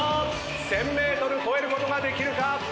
１，０００ｍ超えることができるか⁉